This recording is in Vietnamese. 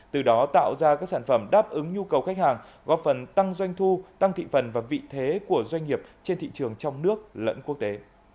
từ đó tạo ra các sản phẩm đáp ứng nhu cầu khách hàng góp phần tăng doanh thu tăng thị phần và vị thế của doanh nghiệp trên thị trường trong nước lẫn quốc tế